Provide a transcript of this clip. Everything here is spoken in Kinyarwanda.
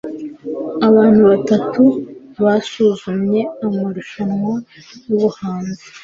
abantu batatu basuzumye amarushanwa yubuhanzi